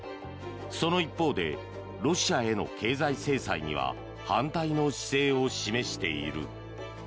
その一方でロシアへの経済制裁には反対の姿勢を示している。